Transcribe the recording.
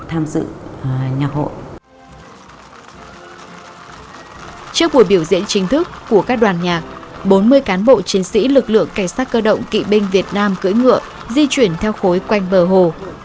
trước buổi biểu diễn chính thức của các đoàn nhạc bốn mươi cán bộ chiến sĩ lực lượng cảnh sát cơ động kỵ binh việt nam cưỡi ngựa di chuyển theo khối quanh bờ hồ